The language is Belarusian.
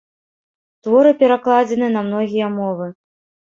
Творы перакладзены на многія мовы.